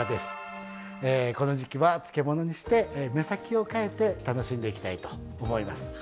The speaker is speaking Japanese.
この時期は漬物にして目先を変えて楽しんでいきたいと思います。